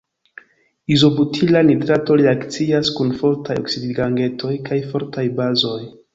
Izobutila nitrato reakcias kun fortaj oksidigagentoj kaj fortaj bazoj.